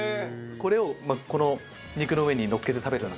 これをこの肉の上にのっけて食べるんですけど。